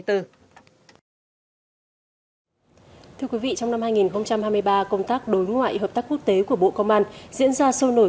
thưa quý vị trong năm hai nghìn hai mươi ba công tác đối ngoại hợp tác quốc tế của bộ công an diễn ra sôi nổi